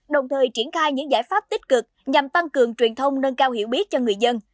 đồng thời triển khai những giải pháp tích cực nhằm tăng cường truyền thông nâng cao hiểu biết cho người dân